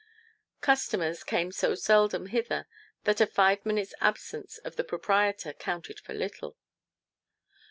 Customers came so seldom hither that a five minutes' absence of the proprietor counted for little.